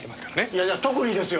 いやじゃあ特にですよ。